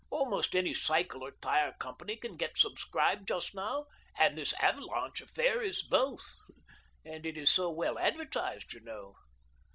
Almost any cycle or tyre company can get subscribed just now. And this ' Avalanche ' affair is both, and it is so well advertised, you know.